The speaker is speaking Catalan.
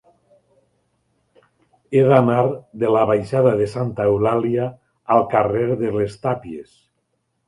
He d'anar de la baixada de Santa Eulàlia al carrer de les Tàpies.